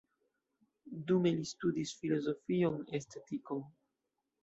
Dume li studis filozofion, estetikon.